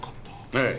ええ。